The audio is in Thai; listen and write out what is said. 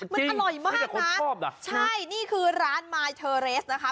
จริงมันอร่อยมากน่ะใช่นี่คือร้านนะคะ